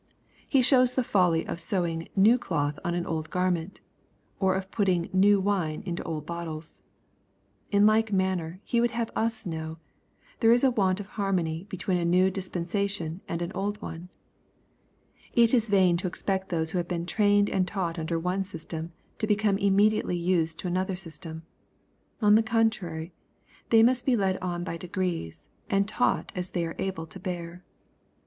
He shows the folly of sewing " new cloth on an old garment,^' or^of putting " new wine into old bottles." In like manner. He would have us know^ there is a want of harmony between a new dispensation and an old one. It is vain to expect those who have been trained and taught under one system, to become immediately used to another system. On the contrary, they must be led on by degrees, and taught as they are able to bear.